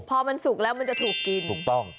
พอมันสุกแล้วมันจะถูกกิน